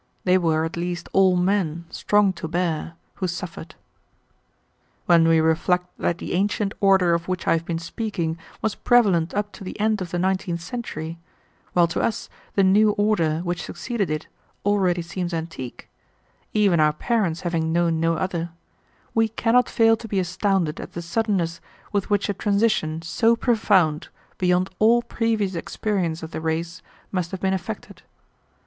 They were at least all men, strong to bear, who suffered. "When we reflect that the ancient order of which I have been speaking was prevalent up to the end of the nineteenth century, while to us the new order which succeeded it already seems antique, even our parents having known no other, we cannot fail to be astounded at the suddenness with which a transition so profound beyond all previous experience of the race must have been effected.